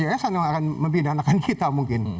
asn yang akan memindahkan kita mungkin